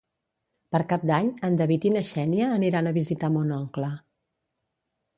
Per Cap d'Any en David i na Xènia aniran a visitar mon oncle.